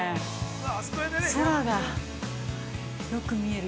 空がよく見える。